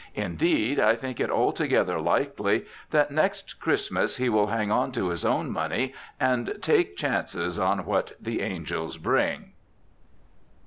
Indeed, I think it altogether likely that next Christmas he will hang on to his own money and take chances on what the angels bring.